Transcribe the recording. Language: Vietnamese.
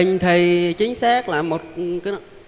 tình thì chính xác là một cái